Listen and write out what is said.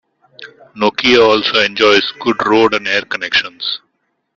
Nokia also enjoys good road and air connections.